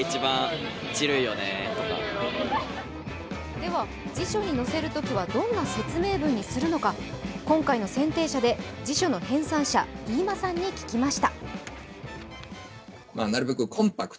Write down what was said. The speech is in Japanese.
では、辞書に載せるときはどんな説明文にするのか、今回の選定者で辞書の編さん者、飯間さんに聞きました。